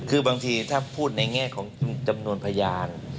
คือบางทีถ้าพูดในแง่ของจำนวนพยาน